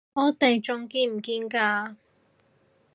我哋仲見唔見㗎？